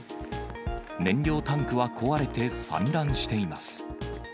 燃料タンクは壊れて散乱しています。